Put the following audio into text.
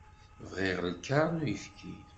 Bɣiɣ lkaṛ n uyefki.